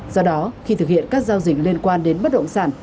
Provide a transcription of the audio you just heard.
do đó khi thực hiện các giao dịch liên quan đến bất động sản